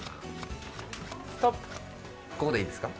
ここでいいですか？